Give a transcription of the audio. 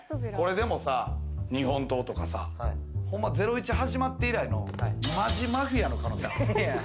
日本刀とかさ『ゼロイチ』始まって以来のマジマフィアの可能性ある。